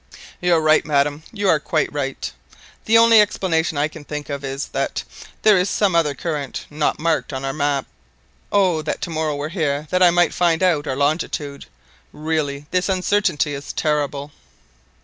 "You are right, madam, you are quite right. The only explanation I can think of is, that there is some other current, not marked on our map. Oh, that to morrow were here that I might find out our longitude; really this uncertainty is terrible!"